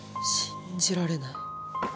信じられない。